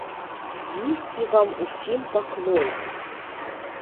Нізкі вам усім паклон!